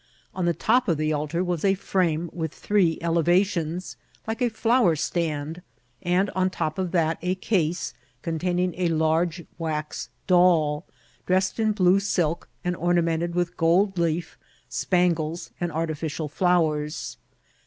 On the top of the altar was a frame, with three elevations, like a flower stand, and on the top of that a case, containing a large wax doll, dressed in blue silk, and ornamented with gold leaf, spangles, and artificial flowers.